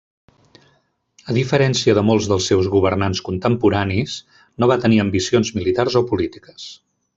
A diferència de molts dels seus governants contemporanis, no va tenir ambicions militars o polítiques.